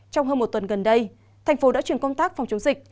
trong hơn một tuần gần đây thành phố đã chuyển công tác phòng chống dịch